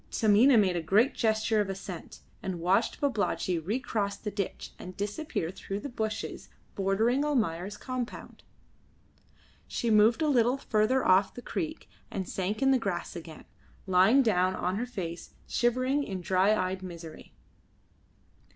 Taminah made a gesture of assent, and watched Babalatchi recross the ditch and disappear through the bushes bordering Almayer's compound. She moved a little further off the creek and sank in the grass again, lying down on her face, shivering in dry eyed misery.